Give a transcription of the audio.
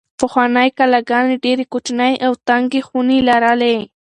پخوانۍ کلاګانې ډېرې کوچنۍ او تنګې خونې لرلې.